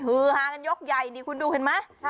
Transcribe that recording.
ฮือฮากันยกใหญ่นี่คุณดูเห็นไหม